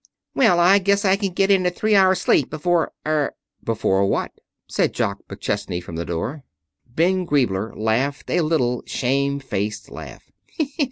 "Well, I guess I can get in a three hour sleep before er " "Before what?" said Jock McChesney from the door. Ben Griebler laughed a little shamefaced laugh.